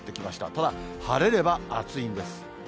ただ、晴れれば暑いんです。